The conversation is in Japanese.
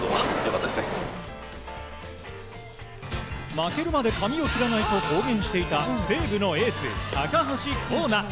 負けるまで髪を切らないと公言していた西武のエース高橋光成。